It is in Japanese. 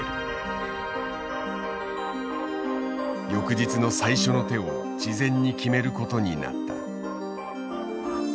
翌日の最初の手を事前に決めることになった。